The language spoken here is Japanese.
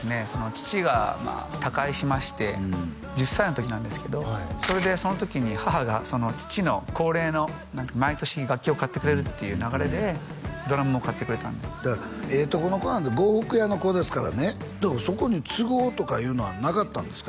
父が他界しまして１０歳の時なんですけどそれでその時に母が父の恒例の毎年楽器を買ってくれるっていう流れでドラムも買ってくれたんですだからええとこの子なんで呉服屋の子ですからねでもそこに継ごうとかいうのはなかったんですか？